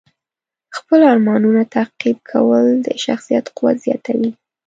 خپل ارمانونه تعقیب کول د شخصیت قوت زیاتوي.